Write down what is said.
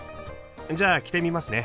じゃあ着てみますね。